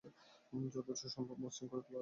যতটা সম্ভব মসৃণ করে তোলা হচ্ছে সেটি।